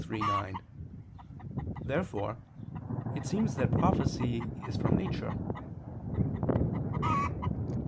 Therefore it seems that prophecy is from nature.